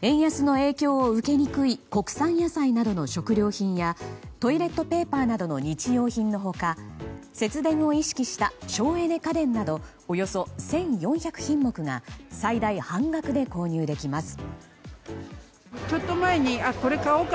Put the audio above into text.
円安の影響を受けにくい国産野菜などの食料品やトイレットペーパーなどの日用品の他節電を意識した省エネ家電などおよそ１４００品目が最大半額で購入できます。